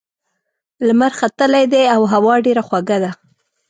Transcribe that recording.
لمر ختلی دی او هوا ډېره خوږه ده.